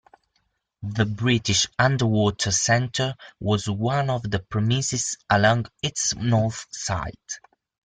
The British Underwater Centre was one of the premises along its north side.